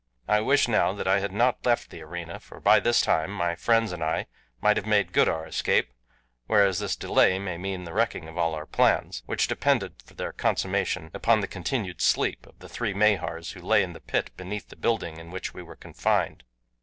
I wish now that I had not left the arena for by this time my friends and I might have made good our escape, whereas this delay may mean the wrecking of all our plans, which depended for their consummation upon the continued sleep of the three Mahars who lay in the pit beneath the building in which we were confined."